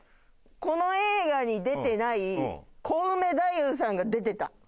この映画に出てないコウメ太夫さんが出てた。